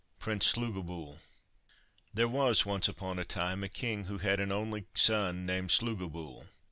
PRINCE SLUGOBYL. THERE was once upon a time a king who had an only son named Slugobyl.